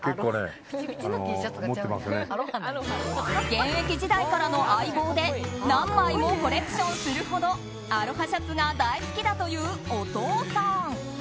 現役時代からの相棒で何枚もコレクションするほどアロハシャツが大好きだというお父さん。